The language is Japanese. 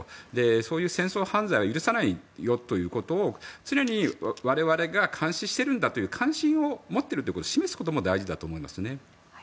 そういう戦争犯罪は許さないよということを常に我々が監視してるんだ関心を示していることを示すことも大事だと思いますね。